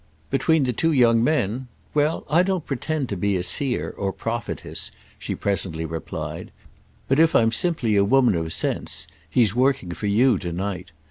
"Between the two young men? Well, I don't pretend to be a seer or a prophetess," she presently replied; "but if I'm simply a woman of sense he's working for you to night.